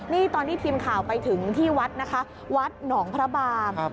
นี่ตอนที่ทีมข่าวไปถึงที่วัดนะคะวัดหนองพระบาง